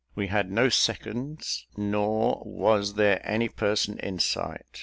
We had no seconds; nor was there any person in sight.